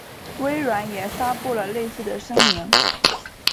微软也发布了类似的声明。